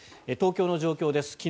東京の状況です